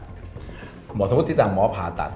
สมมติต่างหมอผ่าตัด